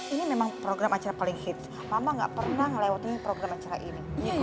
ini memang program acara paling hits mama nggak pernah melewati program acara ini